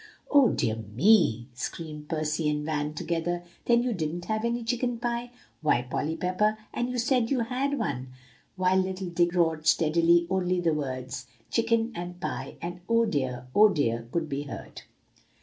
"Oh, dear me!" screamed Percy and Van together; "then, you didn't have any chicken pie. Why, Polly Pepper And you said you had one!" While little Dick roared steadily, only the words, "chicken," and "pie," and "Oh, dear! oh, dear!" could be heard.